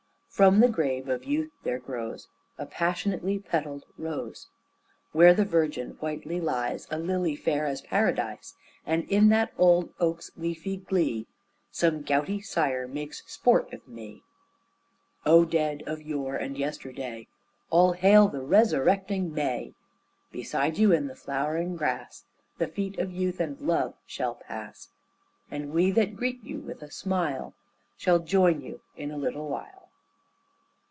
From the grave of youth there grows A passionately petaled rose, Where the virgin whitely lies A lily fair as Paradise. And in that old oak's leafy glee Some gouty sire makes sport of me. O Dead of yore and yesterday All hail the resurrecting May! Beside you in the flowering grass The feet of youth and love shall pass, And we that greet you with a smile Shall join you in a little while.